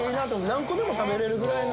何個でも食べれるぐらいな。